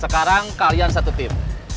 sekarang kalian satu tim